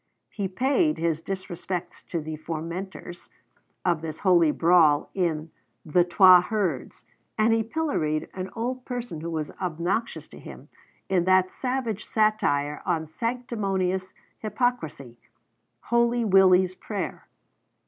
He paid his disrespects to the fomenters of this holy brawl in 'The Twa Herds,' and he pilloried an old person who was obnoxious to him, in that savage satire on sanctimonious hypocrisy, 'Holy Willy's Prayer.'